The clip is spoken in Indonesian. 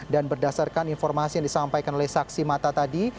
dan berdasarkan informasi yang disampaikan oleh saksi mata tadi